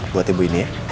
buat ibu ini ya